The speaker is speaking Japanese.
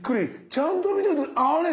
ちゃんと見てもあれ？